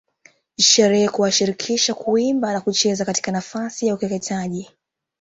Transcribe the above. Sherehe kuwashirikisha kuimba na kucheza katika nafasi ya ukeketaji